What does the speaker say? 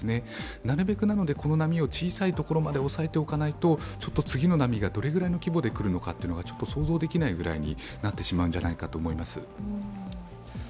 なるべく、この波を小さいところまで抑えておかないと次の波がどれぐらいの規模でくるのかということが想像できないくらいになってしまうんじゃないかと思います。